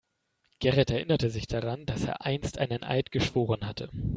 Gerrit erinnerte sich daran, dass er einst einen Eid geschworen hatte.